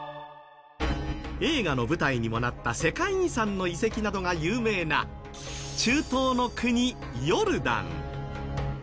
映画の舞台にもなった世界遺産の遺跡などが有名な中東の国ヨルダン。